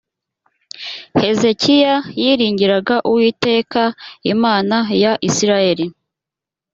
hezekiya yiringiraga uwiteka imana ya isirayeli